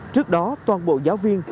trước đó toàn bộ giáo viên